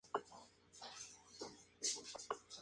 Al oeste de Ellison se halla el cráter Coulomb.